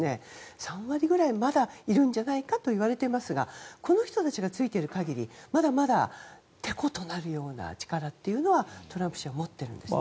３割ぐらいまだいるんじゃないかと言われていますがこの人たちがついている限りまだまだてことなるような力をトランプ氏は持っているんですね。